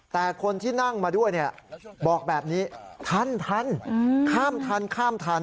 แต่คนที่นั่งมาด้วยบอกแบบนี้ทันข้ามทัน